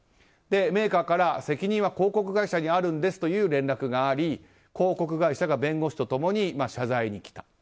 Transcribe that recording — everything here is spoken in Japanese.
メーカーから責任は広告会社にあるんですという連絡があり、広告会社が弁護士と共に謝罪にきた。